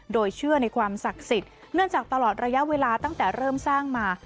โดยเชื่อในความศักดิ์สิทธิ์เนื่องจากตลอดระยะเวลาตั้งแต่เริ่มสร้างมา